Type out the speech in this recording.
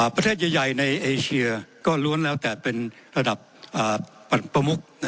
ประเทศใหญ่ในเอเชียก็ล้วนแล้วแต่เป็นระดับประมุก